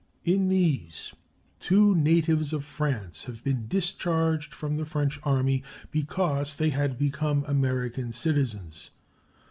In these, two natives of France have been discharged from the French army because they had become American citizens.